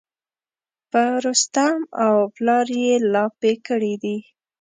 په رستم او پلار یې لاپې کړي دي.